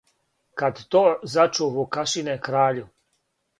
Кад то зачу Вукашине краљу,